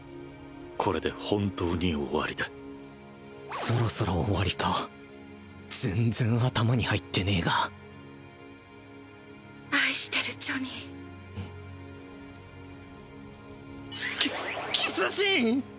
これで本当に終わりだそろそろ終わりか全然頭に入ってねえが愛してるジョニーキキスシーン！？